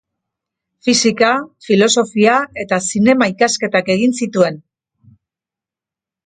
Fisika, filosofia eta zinema-ikasketak egin zituen.